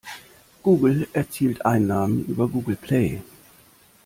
Google erzielt Einnahmen über Google Play.